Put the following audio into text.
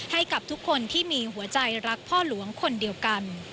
ให้กับทุกคนที่มีหัวใจรักพ่อหลวงคนเดียวกัน